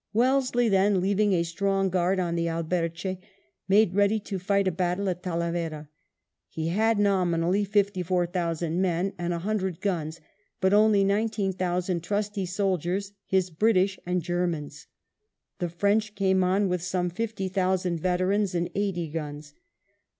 Wellesley then, leaving a strong guard on the Al berche, made ready to fight a battle at Talavera. He had, nominally, fifty four thousand men and a hundred guns, but only nineteen thousand tnisty soldiers, his British and Germans. The French came on with some fifty thousand veterans and eighty guns.